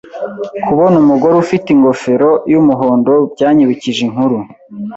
Kubona umugore ufite ingofero yumuhondo byanyibukije inkuru.